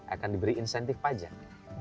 akan diberi insentif pajak